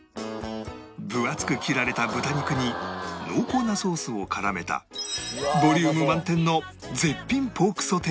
分厚く切られた豚肉に濃厚なソースを絡めたボリューム満点の絶品ポークソテーライス